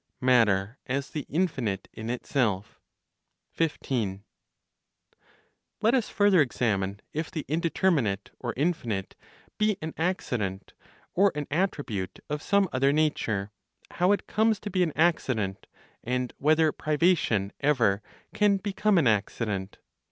MATTER AS THE INFINITE IN ITSELF. 15. Let us further examine if the indeterminate, or infinite, be an accident, or an attribute of some other nature; how it comes to be an accident, and whether privation ever can become an accident.